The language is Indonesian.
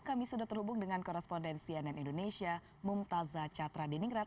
kami sudah terhubung dengan korrespondensi ann indonesia mum taza catra diningrat